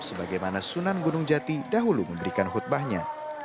sebagaimana sunan gunung jati dahulu memberikan khutbahnya